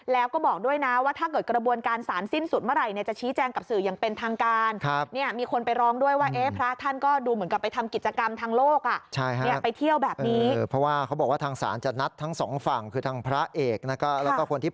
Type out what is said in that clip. แล้วก็บอกด้วยนะว่าถ้าเกิดกระบวนการสารสิ้นสุดเมื่อไหร่จะชี้แจงกับสื่ออย่างเป็นทางการ